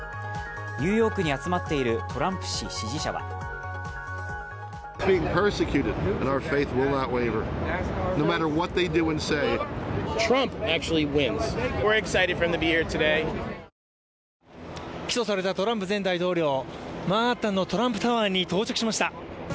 ニューヨークに集まっているトランプ氏支持者は起訴されたトランプ前大統領、マンハッタンのトランプタワーに到着しました。